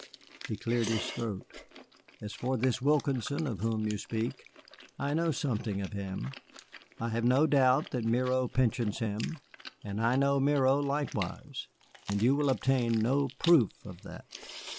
He cleared his throat. "As for this Wilkinson of whom you speak, I know something of him. I have no doubt that Miro pensions him, but I know Miro likewise, and you will obtain no proof of that.